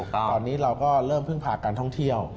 ตอนนี้เราก็เริ่มพึ่งพาการท่องเที่ยว